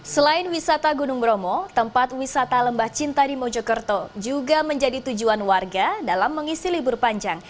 selain wisata gunung bromo tempat wisata lembah cinta di mojokerto juga menjadi tujuan warga dalam mengisi libur panjang